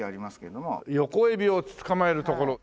「ヨコエビを捕まえるところ」